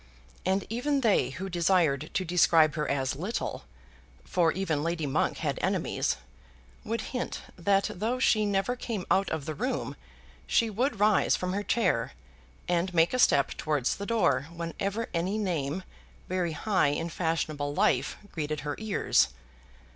And even they who desired to describe her as little, for even Lady Monk had enemies, would hint that though she never came out of the room, she would rise from her chair and make a step towards the door whenever any name very high in fashionable life greeted her ears.